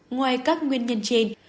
ngoài các nguyên nhân trên